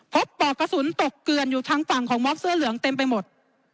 ปอกกระสุนตกเกลือนอยู่ทางฝั่งของมอบเสื้อเหลืองเต็มไปหมด